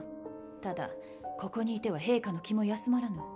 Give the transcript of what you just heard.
ただここにいては陛下の気も休まらぬ。